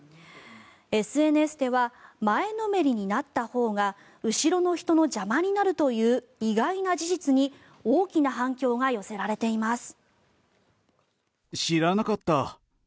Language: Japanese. ＳＮＳでは前のめりになったほうが後ろの人の邪魔になるという意外な事実に大きな反響が寄せられています。